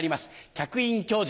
客員教授。